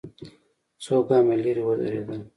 څو ګامه ليرې ودرېدل.